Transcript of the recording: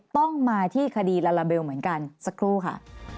ต้องมาที่คดีลาลาเบลเหมือนกันสักครู่ค่ะ